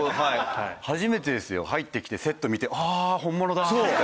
初めてですよ入ってきてセット見て「ああ本物だ」って。